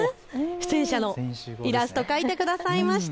出演者のイラストを描いてくれました。